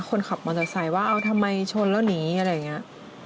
คนขับมอเตอร์ไซค์ว่าเอาทำไมชนแล้วหนีอะไรอย่างนี้